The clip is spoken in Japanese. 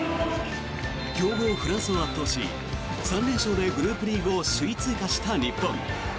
強豪フランスを圧倒し３連勝でグループリーグを首位通過した日本。